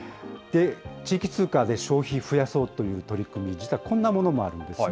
地域通貨で消費を増やそうという取り組み、実はこんなものもあるんですね。